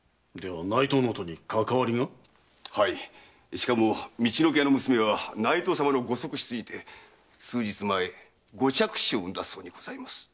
しかも陸奥屋の娘は内藤様のご側室にて数日前ご嫡子を産んだそうにございます。